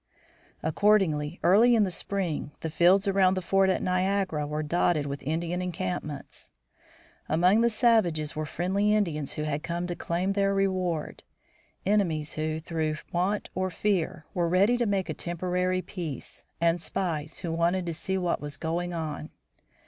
Accordingly, early in the spring, the fields around the fort at Niagara were dotted with Indian encampments. Among the savages were friendly Indians who had come to claim their reward; enemies who, through want or fear, were ready to make a temporary peace, and spies, who wanted to see what was going on.